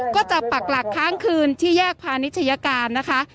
ก็จะปรักหลักครั้งคืนที่แยกพานิจฉัยการนะคะ